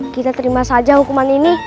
kita terima saja hukuman ini